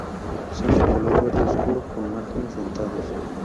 Son de color verde oscuro, con márgenes dentados.